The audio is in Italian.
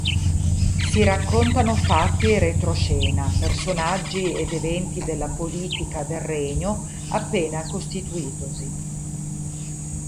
Si raccontano fatti e retroscena, personaggi ed eventi della politica del regno appena costituitosi.